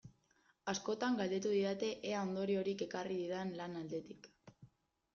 Askotan galdetu didate ea ondoriorik ekarri didan lan aldetik.